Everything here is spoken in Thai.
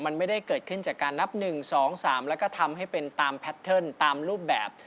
มันไม่ได้เกิดขึ้นจากการนับ๑๒๓แล้วก็ทำให้เป็นตามแพทเทิร์นตามรูปแบบ